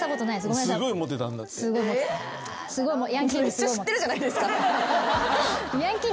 めっちゃ知ってるじゃないですか。